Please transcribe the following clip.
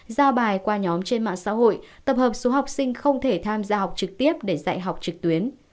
giao bài qua nhóm trên mạng xã hội tập hợp số học sinh không thể tham gia học trực tiếp để dạy học trực tuyến